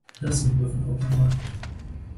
Listen with an open mind.